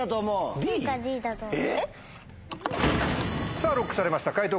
さぁＬＯＣＫされました解答